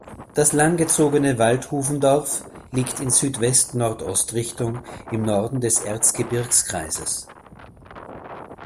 Das langgezogene Waldhufendorf liegt in Südwest-Nordost-Richtung im Norden des Erzgebirgskreises.